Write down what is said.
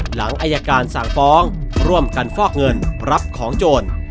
หลังอายการสั่งฟ้องร่วมกันฟอกเงินรับของโจร